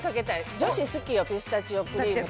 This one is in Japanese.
女子好きよ、ピスタチオクリームとか。